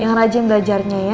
yang rajin belajarnya ya